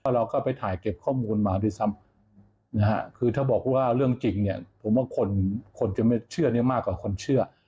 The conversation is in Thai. เราก็ไปถ่ายเก็บข้อมูลมาด้วยซ้ำคือถ้าบอกว่าเรื่องจริงเนี่ยผมว่าคนจะไม่เชื่อนี้มากกว่าคนเชื่อ